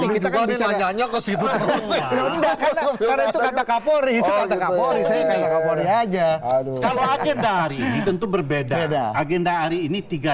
berbicara nyanyi aku sih itu terus ya kalau agendari tentu berbeda agenda hari ini tiga